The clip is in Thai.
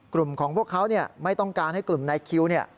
กลุ่มของพวกเขาไม่ต้องการให้กลุ่มนายคิว